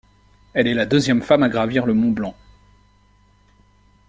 Elle est la deuxième femme à gravir le mont Blanc.